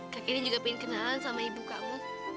kak ini juga pengen kenalan sama ibu kamu